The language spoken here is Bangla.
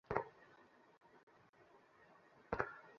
এটা আমাদের নিচে রয়েছে।